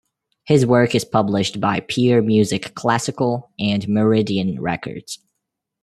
His work is published by Peer Music Classical and Meridian Records.